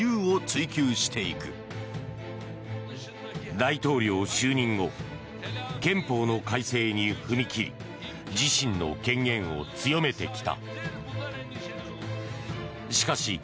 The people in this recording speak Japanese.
大統領就任後憲法の改正に踏み切り自身の権限を強めてきた。